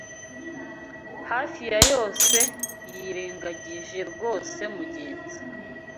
hafi ya yose yirengagije rwose mugenzi